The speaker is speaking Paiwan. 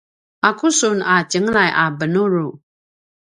aqu sun a tjenglay a benuru?